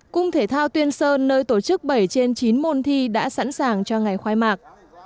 cung thể thao tuyên sơn nơi tổ chức bảy trên chín môn thi đã sẵn sàng cho ngày khoai mạc